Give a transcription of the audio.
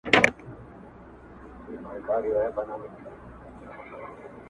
چې د سترګو ښکلا